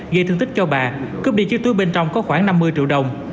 gây thương tích cho bà cướp đi trước túi bên trong có khoảng năm mươi triệu đồng